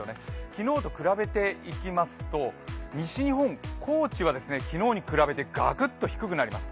昨日と比べていきますと西日本、高知は昨日に比べてガクッと低くなります。